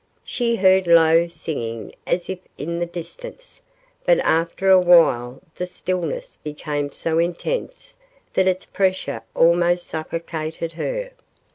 She heard low singing as if in the distance, but after a while the stillness became so intense that its pressure almost suffocated her.